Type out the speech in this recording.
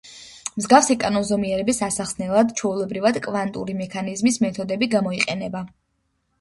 მსგავსი კანონზომიერების ასახსნელად ჩვეულებრივად კვანტური მექანიზმის მეთოდები გამოიყენება.